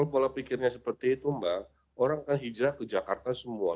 pola pikirnya seperti itu mbak orang kan hijrah ke jakarta semua